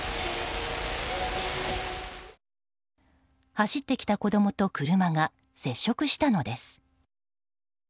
走ってきた子供と車が接触したのです。